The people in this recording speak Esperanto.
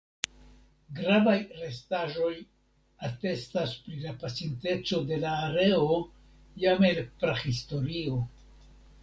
Gravaj restaĵoj atestas pri la pasinteco de la areo jam el prahistorio.